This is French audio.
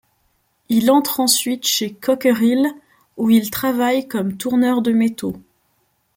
Il entre ensuite chez Cockerill, où il travaille comme tourneur de métaux.